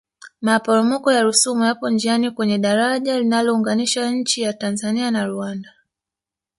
maporomoko ya rusumo yapo njiani kwenye dajara linalounganisha nchi ya tanzania na rwanda